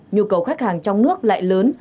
nhiều cầu khách hàng trong nước lại lớn